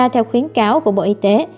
theo khuyến cáo của bộ y tế